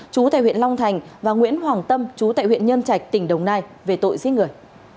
chú tại huyện long thành và nguyễn hoàng tâm chú tại huyện nhân trạch tỉnh đồng nai về tội giết người